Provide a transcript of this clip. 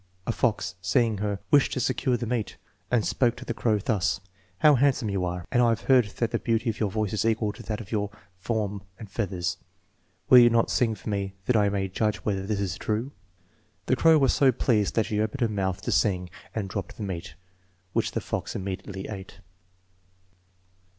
A fox, seeing her, wished to itcure ifie meat, and spoke to tJie crow thus: "Uow handsome you are! and I have heard that the beauty of your voice is equal to that of your form and feathers. Will you not sing for me, so that I may judge whether this is true?" The crow was so pleased that she opened her mouth to sing and dropped tfie meat, which the fox immediately ate.